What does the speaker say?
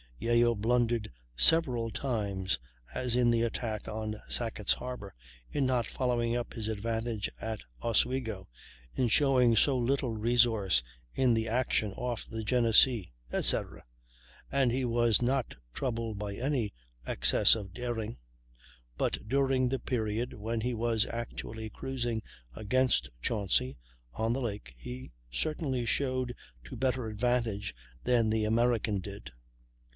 Yeo blundered several times, as in the attack on Sackett's Harbor, in not following up his advantage at Oswego, in showing so little resource in the action off the Genesee, etc., and he was not troubled by any excess of daring; but during the period when he was actually cruising against Chauncy on the lake he certainly showed to better advantage than the American did.